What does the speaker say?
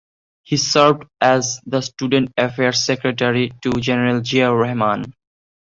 He served as the Student Affairs Secretary to General Ziaur Rahman.